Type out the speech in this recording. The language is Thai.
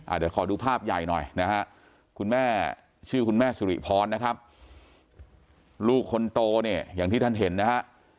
เดี๋ยวขอดูภาพใหญ่หน่อยนะฮะคุณแม่ชื่อคุณแม่สุริพรนะครับลูกคนโตเนี่ยอย่างที่ท่านเห็นนะฮะ